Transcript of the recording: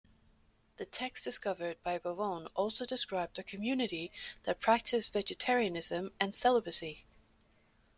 The text discovered by Bovon also described a community that practised vegetarianism and celibacy.